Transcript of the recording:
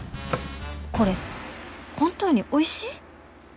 これ本当においしい？